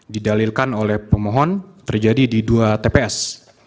didalilkan oleh pemohon terjadi di dua tps